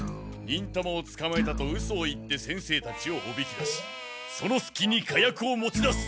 忍たまをつかまえたとうそを言って先生たちをおびき出しそのすきに火薬を持ち出す！